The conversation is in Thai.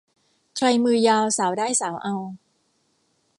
ใครมือยาวสาวได้สาวเอา